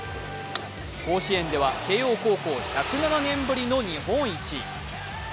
甲子園では慶応高校１０７年ぶりの日本一。